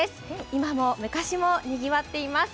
今も昔もにぎわっています。